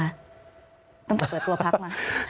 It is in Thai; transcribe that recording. ต้องเปิดตัวพักมา